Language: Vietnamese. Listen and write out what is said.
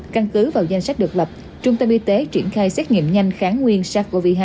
căn cứ vào danh sách độc lập trung tâm y tế triển khai xét nghiệm nhanh kháng nguyên sars cov hai